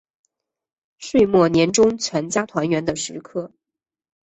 岁末年终全家团圆的时刻